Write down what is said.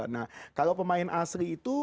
nah kalau pemain asli itu